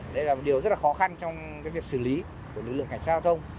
đây là một điều rất là khó khăn trong việc xử lý của lực lượng cảnh sát giao thông